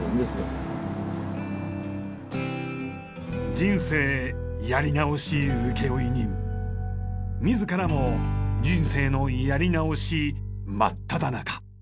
人生やり直し請負人自らも人生のやり直し真っただ中。